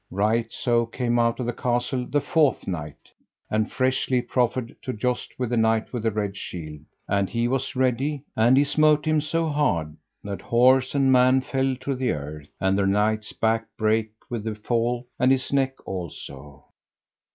Right so came out of the castle the fourth knight, and freshly proffered to joust with the Knight with the Red Shield: and he was ready, and he smote him so hard that horse and man fell to the earth, and the knight's back brake with the fall, and his neck also.